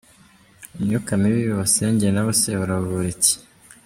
Imyuka mibi babasengere nahose barabavura iki?.